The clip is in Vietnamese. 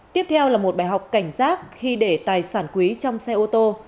tiếp theo là một bài học cảnh giác khi để tài sản quý trong xe ô tô